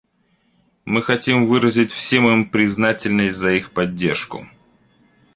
Мы хотим выразить всем им признательность за их поддержку.